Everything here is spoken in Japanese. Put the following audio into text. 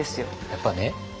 やっぱね